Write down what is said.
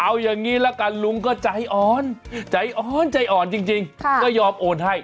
เอาอย่างนี้ละกันลุงก็ใจอ่อนใจอ้อนใจอ่อนจริงก็ยอมโอนให้